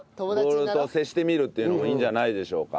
ボールと接してみるっていうのもいいんじゃないでしょうか。